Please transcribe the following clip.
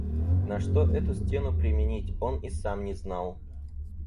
На что эту стену применить, он и сам не знал.